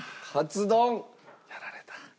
やられた。